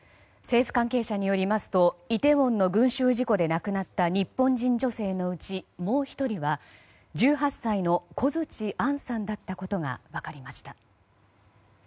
政府関係者によりますとイテウォンの群衆事故で亡くなった日本人女性のうちもう１人は１８歳の小槌杏さんだったことが分かりました。